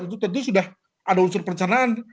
itu tadi sudah ada unsur perencanaan